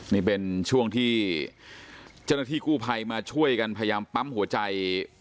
นี่เป็นช่วงที่เจ้าหน้าที่กู้ภัยมาช่วยกันพยายามปั๊มหัวใจ